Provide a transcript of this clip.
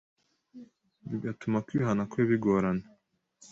bigatuma kwihana kwe bigorana,